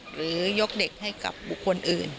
หรือยกเด็กให้กับบุคคลอื่น